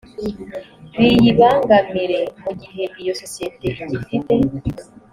biyibangamire mu gihe iyo sosiyete igifite